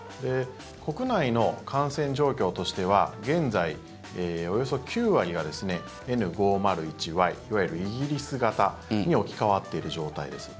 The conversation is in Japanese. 国内の感染状況としては現在、およそ９割がＮ５０１Ｙいわゆるイギリス型に置き換わっている状態です。